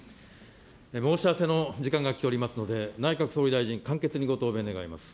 申し合わせの時間が来ておりますので、内閣総理大臣、簡潔にご答弁願います。